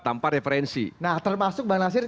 tanpa referensi nah termasuk bang nasir